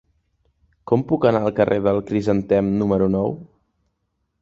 Com puc anar al carrer del Crisantem número nou?